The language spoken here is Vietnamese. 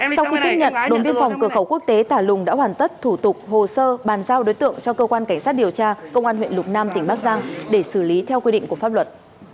sau khi tiếp nhận đồn biên phòng cửa khẩu quốc tế tà lùng đã hoàn tất thủ tục hồ sơ bàn giao đối tượng cho cơ quan cảnh sát điều tra công an huyện lục nam tỉnh bắc giang để xử lý theo quy định của pháp luật